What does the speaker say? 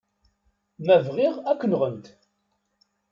Ma bɣiɣ, ad k-nɣent.